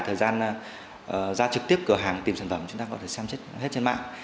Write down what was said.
thời gian ra trực tiếp cửa hàng tìm sản phẩm chúng ta có thể xem xét hết trên mạng